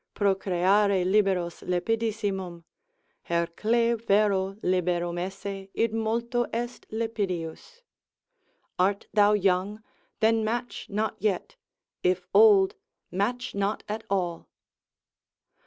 —procreare liberos lepidissimum. Hercle vero liberum esse, id multo est lepidius. Art thou young? then match not yet; if old, match not at all.